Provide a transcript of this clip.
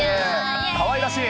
かわいらしい。